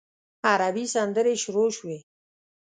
عربي سندرې شروع شوې.